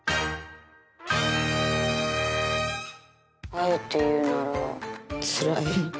あえて言うならつらい。